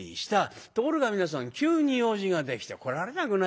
ところが皆さん急に用事ができて来られなくなっちゃった。